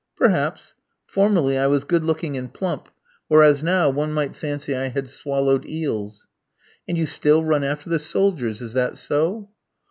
"Perhaps; formerly I was good looking and plump, whereas now one might fancy I had swallowed eels." "And you still run after the soldiers, is that so?"